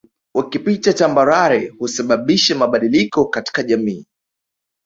Ukipita tambarare husababisha mabadiliko katika jamii